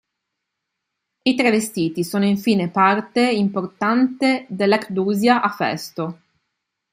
I travestiti sono infine parte importante dell'Ekdusia a Festo.